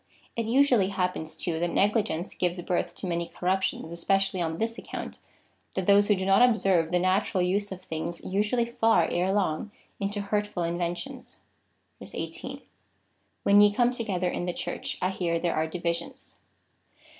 It usually happens, too, that negligence gives birth to many corrup tions, especially on this account, that those who do not ob serve the natural use of things usually fall erelong into hurt ful inventions.^ 18. When ye come together in the Church, I hear there are divisions.